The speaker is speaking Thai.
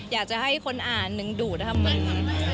อยากจะให้คนอ่านหนึ่งดูดนะครับมึง